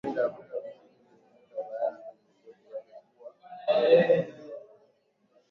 imewaamuru wenyeji kukuza bangi kwa matumizi